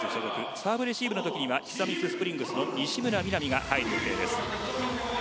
ビーズ所属サーブレシーブのときには久光スプリングスの西村が入る予定です。